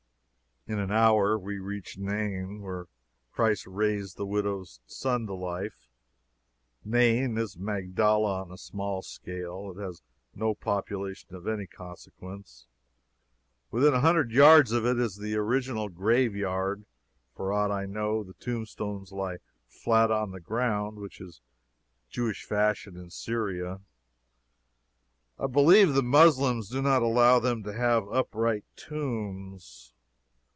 In an hour, we reached Nain, where Christ raised the widow's son to life. Nain is Magdala on a small scale. It has no population of any consequence. Within a hundred yards of it is the original graveyard, for aught I know; the tombstones lie flat on the ground, which is Jewish fashion in Syria. I believe the Moslems do not allow them to have upright tombstones.